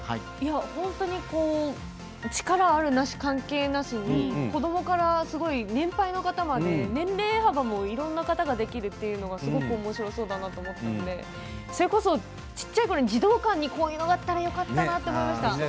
本当に力あるなし関係なしに子どもから、すごい年配の方まで年齢幅もいろんな方ができるというのがすごくおもしろそうだなと思ったのでそれこそ小さいころに児童館にこういうものがあったらよかったなって思いました。